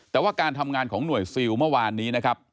แต่ว่าการทำงานของหน่วยซิลเมื่อวานนี้นะครับ